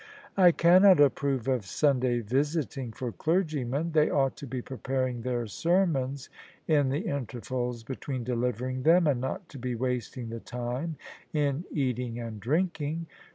" I cannot approve of Sunday visiting for clergymen : they ought to be preparing their sermons in the intervals between delivering them, and not to be wasting the time in eating and drinking.